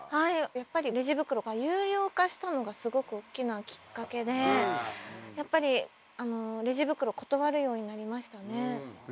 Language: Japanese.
やっぱりレジ袋が有料化したのがすごくおっきなきっかけでやっぱりレジ袋断るようになりましたね。